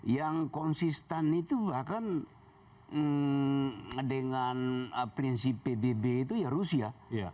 yang konsisten itu bahkan dengan prinsip pbb itu ya rusia